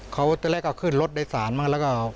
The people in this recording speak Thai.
เขาตั้งแต่แรกก็ขึ้นรถใดสารมา